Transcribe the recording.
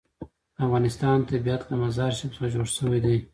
د افغانستان طبیعت له مزارشریف څخه جوړ شوی دی.